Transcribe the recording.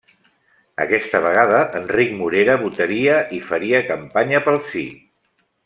Aquesta vegada, Enric Morera votaria i faria campanya pel sí.